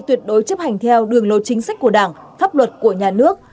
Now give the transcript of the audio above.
tuyệt đối chấp hành theo đường lối chính sách của đảng pháp luật của nhà nước